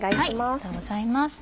ありがとうございます。